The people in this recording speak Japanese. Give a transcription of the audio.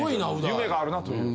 夢があるなという。